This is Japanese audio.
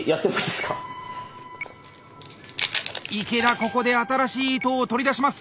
ここで新しい糸を取り出します。